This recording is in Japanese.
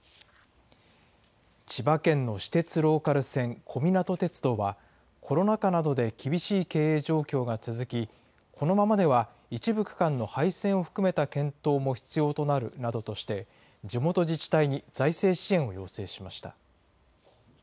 千葉県の私鉄ローカル線、小湊鐵道は、コロナ禍などで厳しい経営状況が続き、このままでは一部区間の廃線を含めた検討も必要となるなどとして、地元自治体に財政支援を要請しました。